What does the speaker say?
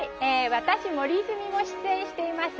私、森泉も出演しています